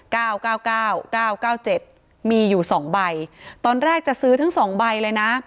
เก้าเก้าเก้าเก้าเก้าเจ็ดมีอยู่สองใบตอนแรกจะซื้อทั้งสองใบเลยนะ